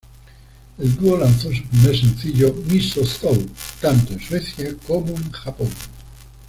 El dúo lanzó su primer sencillo, "Miso Soup", tanto en Suecia como en Japón.